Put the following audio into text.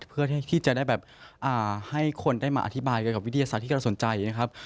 เพื่อที่จะได้แบบให้คนได้มาอธิบายเกี่ยวกับวิทยาศาสตร์ที่เราสนใจนะครับ